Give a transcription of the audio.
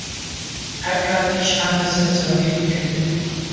هەر کاتیش هاتە سەر چاودێریکردن